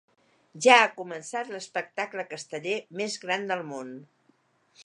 Ja ha començat l’espectacle casteller més gran del món.